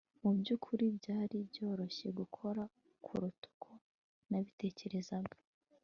Mu byukuri byari byoroshye gukora kuruta uko nabitekerezaga